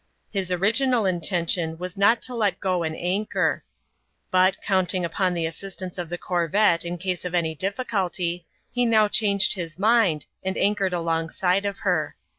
His original intention was not to let go an anchor ; but, counting upon the assistance of the corvette in case of any difficulty, he now changed his mind, and anchored alongside of her.